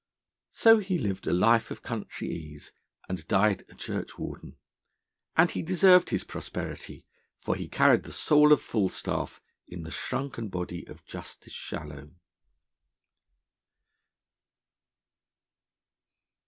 So he lived a life of country ease, and died a churchwarden. And he deserved his prosperity, for he carried the soul of Falstaff in the shrunken body of Justice Shallow.